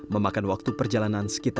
memakan waktu perjalanan sekitar sepuluh